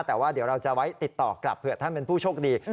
แต่ว่าเดี๋ยวเราจะไว้ติดต่อกลับเผื่อท่านเป็นผู้โชคดี